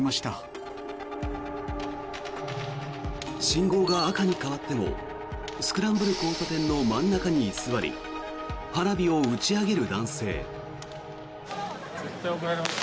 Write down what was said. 信号が赤に変わってもスクランブル交差点の真ん中に居座り花火を打ち上げる男性。